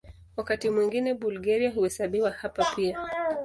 Wakati mwingine Bulgaria huhesabiwa hapa pia.